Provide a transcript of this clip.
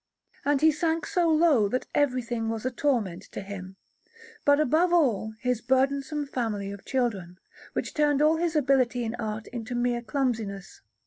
And he sank so low that everything was a torment to him, but above all his burdensome family of children, which turned all his ability in art into mere clumsiness.